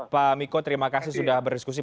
pak miko terima kasih sudah berdiskusi